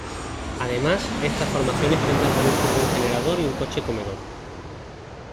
Además, estas formaciones cuentan con un furgón generador y un coche comedor.